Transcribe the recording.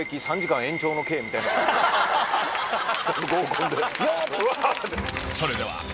合コンで。